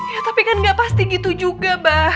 ya tapi kan gak pasti gitu juga mbak